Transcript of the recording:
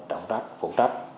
trạm trách phụ trách